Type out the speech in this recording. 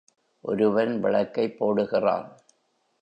ஒருவன் விளக்கைப் போடுகிறான்.